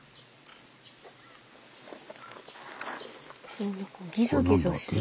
何かギザギザしてますね。